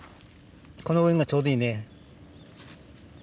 このぐらいがちょうどいいね。